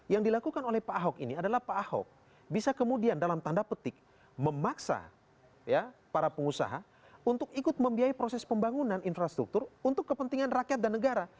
yang dilakukan oleh pak ahok ini adalah pak ahok bisa kemudian dalam tanda petik memaksa para pengusaha untuk ikut membiayai proses pembangunan infrastruktur untuk kepentingan rakyat dan negara